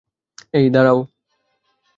এই, দাঁড়াও।